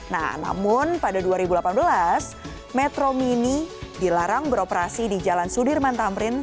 nah namun pada dua ribu delapan belas metro mini dilarang beroperasi di jalan sudirman tamrin